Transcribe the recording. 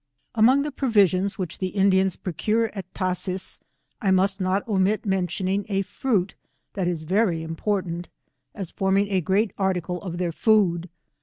Among the provisions which the Indians procure at Tashees, I must not omit mentioning a fruit that is very important, as forming a great article of their food.